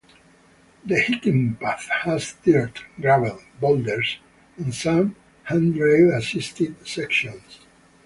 The hiking path has dirt, gravel, boulders, and some handrail-assisted sections.